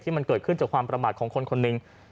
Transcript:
มันเกิดขึ้นจากความประมาทของคนคนหนึ่ง